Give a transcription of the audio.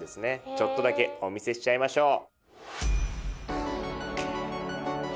ちょっとだけお見せしちゃいましょう。